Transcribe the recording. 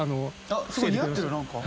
似合ってる何か。